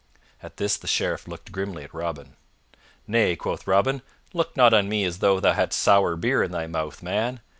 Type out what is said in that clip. At this the Sheriff looked grimly at Robin. "Nay," quoth Robin, "look not on me as though thou hadst sour beer in thy mouth, man.